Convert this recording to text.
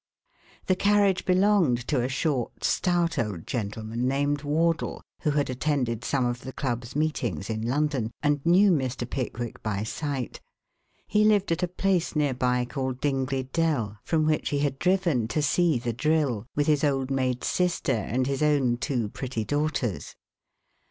The carriage belonged to a short, stout old gentleman named Wardle who had attended some of the club's meetings in London and knew Mr. Pickwick by sight. He lived at a place near by called Dingley Dell, from which he had driven to see the drill, with his old maid sister and his own two pretty daughters.